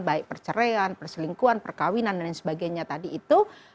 baik perceraian perselingkuhan perkawinan dan lain sebagainya tadi itu